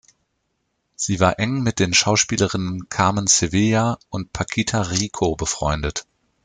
Sie war eng mit den Schauspielerinnen Carmen Sevilla und Paquita Rico befreundet.